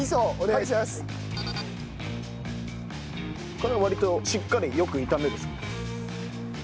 これ割としっかりよく炒めるそうです。